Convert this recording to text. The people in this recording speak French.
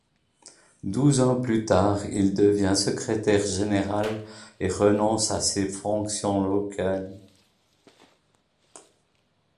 Douze ans plus tard, il devient secrétaire général et renonce à ses fonctions locales.